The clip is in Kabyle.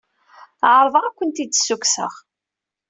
Ɛerḍeɣ ad kent-id-ssukkseɣ.